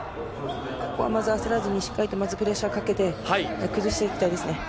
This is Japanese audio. ここはまずは焦らずに、しっかりとまずプレッシャーをかけて、崩していきたいですね。